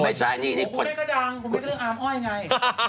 ไม่ใช่อันนี้นี่โอ้คุณแม่ก็ดังคุณแม่ก็เรื่องอาร์มอ้อยไง